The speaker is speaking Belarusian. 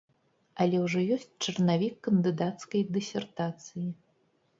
Але ўжо ёсць чарнавік кандыдацкай дысертацыі.